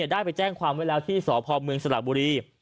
ได้ไปแจ้งความไว้แล้วที่สพเมืองสระบุรี